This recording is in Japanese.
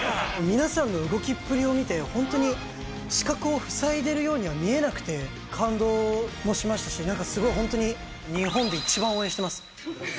皆さんの動きっぷりを見て、本当に視覚を塞いでいるようには見えなくて、感動もしましたし、なんかすごい本当に日本で一番応援してます。